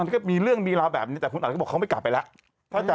มันก็มีเรื่องมีราวแบบนี้แต่คุณอัดก็บอกเขาไม่กลับไปแล้ว